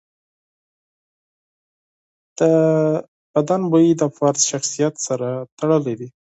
د بدن بوی د فرد شخصیت سره تړلی دی.